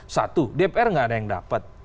satu dpr nggak ada yang dapat